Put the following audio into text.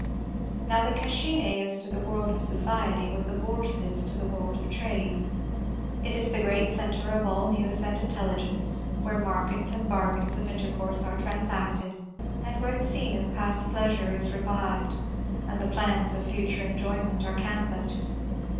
Now, the Cascine is to the world of society what the Bourse is to the world of trade. It is the great centre of all news and intelligence, where markets and bargains of intercourse are transacted, and where the scene of past pleasure is revived, and the plans of future enjoyment are canvassed.